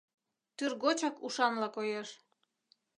Тӱргочак ушанла коеш.